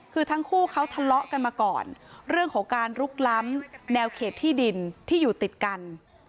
คือทั้งคู่เขาทะเลาะกันมาก่อนเรื่องของการลุกล้ำแนวเขตที่ดินที่อยู่ติดกัน